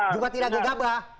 juga tidak gegabah